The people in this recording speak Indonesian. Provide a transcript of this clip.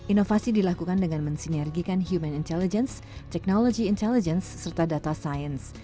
inovasi dilakukan dengan mensinergikan human intelligence technology intelligence serta data sains